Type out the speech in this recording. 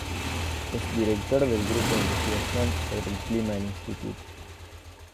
Es director del grupo de investigación sobre el clima del instituto.